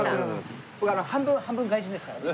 半分半分外人ですからね。